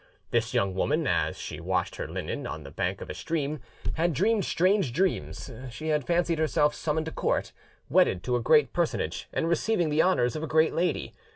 This young woman, as she washed her linen on the bank of a stream, had dreamed strange dreams: she had fancied herself summoned to court, wedded to a great personage, and receiving the honours of a great lady.